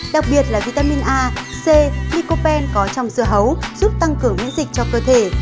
đặc biệt là vitamin a c lycopene có trong dưa hấu giúp tăng cường miễn dịch cho cơ thể